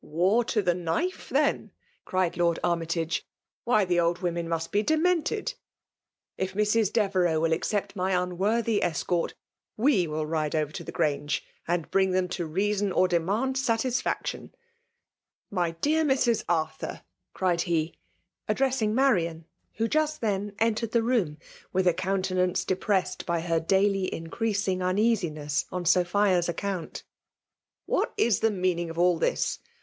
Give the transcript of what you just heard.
*'" War to the knife, then !" cried Lord Army* tage. ''Why, the old women must b^ de mented. If Mrs. Devereux will accept my unworthy escort, we will ride over to die Grange and bring them to reason or demand 8& FSMALB mmtSATMXL aatiflfactkm. My dear Mis. Azthur!" cried he, addressmg Marian, who just then e«te»eA the room, with a countenance defMrcased 1^ her daily increasing uneasinesa on Sophia's account, '' What is the meaning of all thia?